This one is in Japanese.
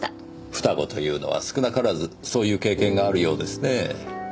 双子というのは少なからずそういう経験があるようですね。